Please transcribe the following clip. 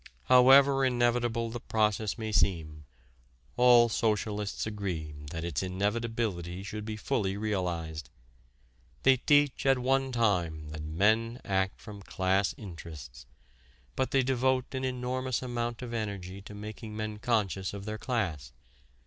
However inevitable the process may seem, all socialists agree that its inevitability should be fully realized. They teach at one time that men act from class interests: but they devote an enormous amount of energy to making men conscious of their class.